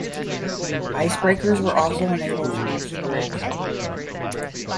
Icebreakers were also unable to reach the bridge.